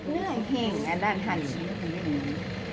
เนื้อแห่งอันด้านข้างนี้คือเนื้อหมู